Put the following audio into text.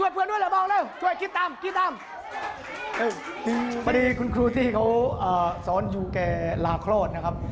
พอดีคุณครูที่เขาสอนอยู่แก่ลาคลอดนะครับ